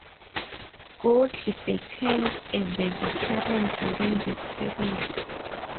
Godley became a vegetarian during this period.